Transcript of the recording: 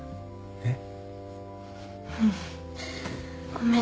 えっ？